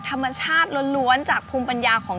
ธรรมชาติล้วนจากภูมิปัญญาของ